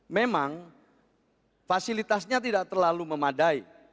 memang fasilitasnya tidak terlalu memadai